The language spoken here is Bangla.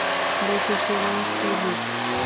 দেখেশুনে, ফিলিপ।